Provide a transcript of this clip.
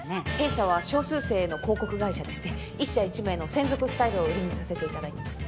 弊社は少数精鋭の広告会社でして１社１名の専属スタイルを売りにさせて頂いてます。